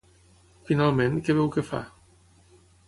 Finalment, què veu que fa?